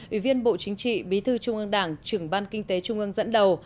ủy viên bộ chính trị bí thư trung ương đảng trưởng ban kinh tế trung ương dẫn đầu